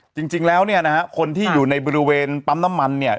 จริงแล้วเนี่ยนะฮะคนที่อยู่ในบริเวณปั๊มน้ำมันเนี่ย